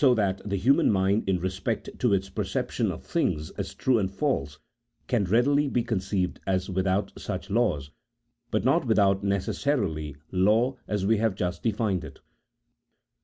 that the human mind in respect to its perception of things as true and false, can readily be conceived as without such laws, but not without necessary law as we have just denned it.